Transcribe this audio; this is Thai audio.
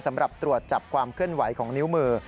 สำหรับตรวจจับความเคลื่อนไหวของนิ้วมือ